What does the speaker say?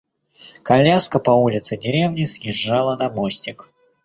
Коляска по улице деревни съезжала на мостик.